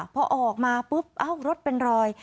พอออกมาปุ๊บเอ้ารถเป็นรอย